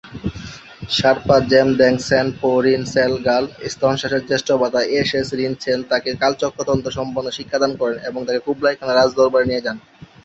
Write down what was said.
শার-পা-'জাম-দ্ব্যাংস-ছেন-পো-রিন-ছেন-র্গ্যাল-ম্ত্শানের জ্যৈষ্ঠ ভ্রাতা য়ে-শেস-রিন-ছেন তাকে কালচক্র তন্ত্র সম্বন্ধে শিক্ষাদান করেন এবং তাকে কুবলাই খানের রাজদরবারে নিয়ে যান।